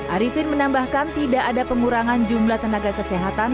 arifin menambahkan tidak ada pengurangan jumlah tenaga kesehatan